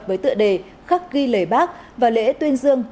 với tựa đề khắc ghi lời bác và lễ tuyên dương